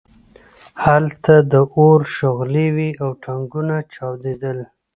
هلته د اور شغلې وې او ټانکونه چاودېدل